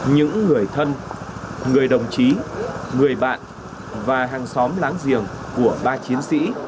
những người thân người đồng chí người bạn và hàng xóm láng giềng của ba chiến sĩ